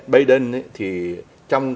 biden thì trong